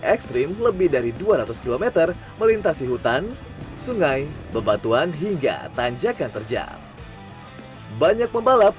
ekstrim lebih dari dua ratus km melintasi hutan sungai bebatuan hingga tanjakan terjang banyak pembalap